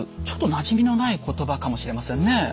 ちょっとなじみのない言葉かもしれませんね。